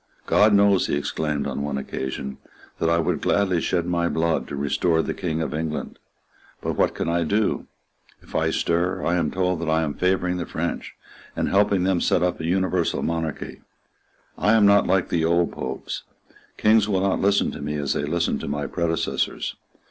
"God knows," he exclaimed on one occasion, "that I would gladly shed my blood to restore the King of England. But what can I do? If I stir, I am told that I am favouring the French, and helping them to set up an universal monarchy. I am not like the old Popes. Kings will not listen to me as they listened to my predecessors.